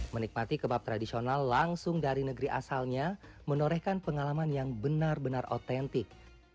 menikmati kebab tradisional langsung dari negeri asalnya menorehkan pengalaman yang benar benar otentik